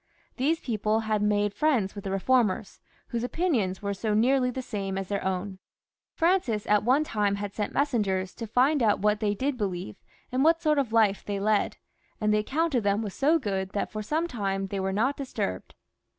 These people had made friends with the reformers, whose opinions were so nearly the same as their own. Francis at one time had sent messengers to find out what they did believe and what sort of life they led, and the accoimt of them was so good that for some time they were not disturbed.